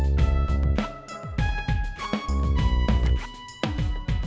ntar gue pindah ke pangkalan